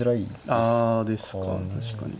あですかね。